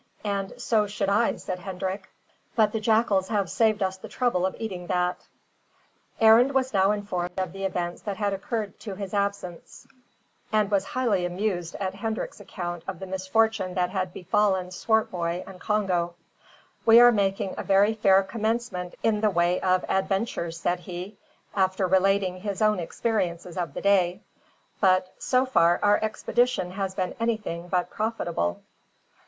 "And so should I," said Hendrik, "but the jackals have saved us the trouble of eating that." Arend was now informed of the events that had occurred to his absence, and was highly amused at Hendrik's account of the misfortune that had befallen Swartboy and Congo. "We are making a very fair commencement in the way of adventures," said he, after relating his own experiences of the day, "but so far our expedition has been anything but profitable."